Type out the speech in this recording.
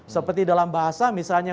seperti dalam bahasa misalnya